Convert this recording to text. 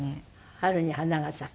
春に花が咲く。